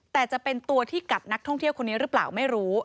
แต่จะเป็นตัวที่กัดนักท่องเที่ยวคนนี้หรือเปล่าไม่รู้